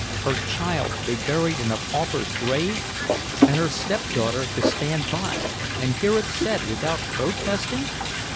Her child to be buried in a pauper's grave! And her stepdaughter to stand by and hear it said without protesting!